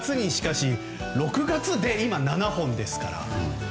６月で今、７本ですから。